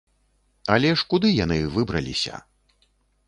Але ж куды яны выбраліся?